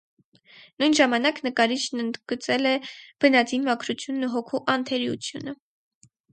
Նույն ժամանակ նկարիչն ընդգծել է բնածին մաքրությունն ու հոգու անթերիությունն։